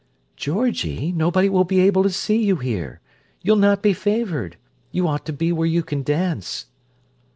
"Georgie, nobody will be able to see you here. You'll not be favoured. You ought to be where you can dance."